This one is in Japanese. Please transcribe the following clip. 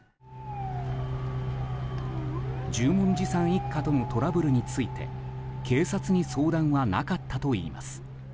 十文字さん一家とのトラブルについて警察に相談はなかったといいます。